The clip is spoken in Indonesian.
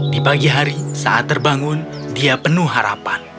di pagi hari saat terbangun dia penuh harapan